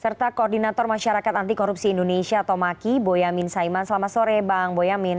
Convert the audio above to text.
serta koordinator masyarakat anti korupsi indonesia tomaki boyamin saiman selamat sore bang boyamin